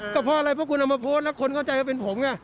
ก็เพราะอะไรเพราะคุณเอามาโพสต์แล้วคนเข้าใจว่าเป็นผมไง